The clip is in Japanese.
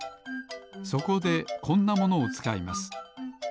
そこでこんなものをつかいます。